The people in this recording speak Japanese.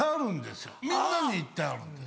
みんなに言ってあるんです。